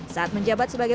saat menjabat sebagai